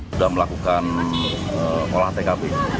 sudah melakukan olah tkp